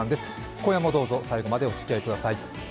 今夜もどうぞ最後までおつきあいください。